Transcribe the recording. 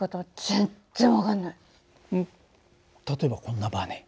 例えばこんなばね。